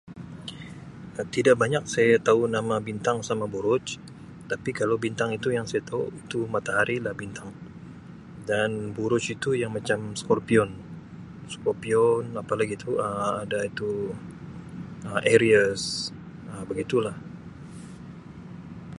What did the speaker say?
Um Tidak banyak saya tau nama bintang sama buruj tapi kalau bintang itu yang saya tau itu matahari lah bintang dan buruj itu yang macam scorpion, scorpion Um apalagi tu Um Aries, Um begitulah.